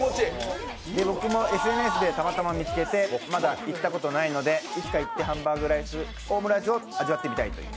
ＳＮＳでたまたま見つけてまだ行ったことがないのでいつか行ってハンバーグオムライスを味わってみたいという。